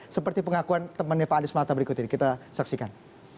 seperti pengakuan temannya pak anies mata berikut ini kita saksikan